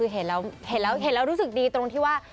เห็นแล้วรู้สึกดีตรงที่ว่า